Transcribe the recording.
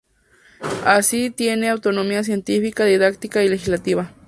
Así tiene autonomía científica, didáctica y legislativa.